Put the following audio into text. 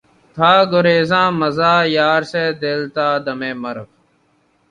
تھا گریزاں مژہٴ یار سے دل تا دمِ مرگ